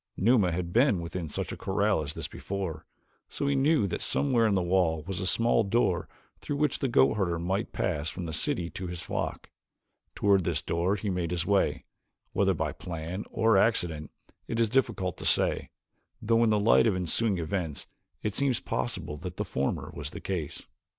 Numa had been within such a corral as this before, so that he knew that somewhere in the wall was a small door through which the goatherd might pass from the city to his flock; toward this door he made his way, whether by plan or accident it is difficult to say, though in the light of ensuing events it seems possible that the former was the case.